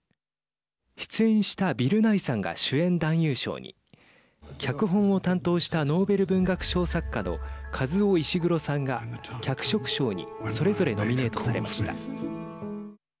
出演したビル・ナイさんが主演男優賞に脚本を担当したノーベル文学賞作家のカズオ・イシグロさんが脚色賞にそれぞれノミネートされました。